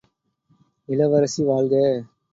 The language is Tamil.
இளவரசி வாழ்க!